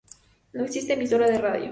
No existe emisora de radio.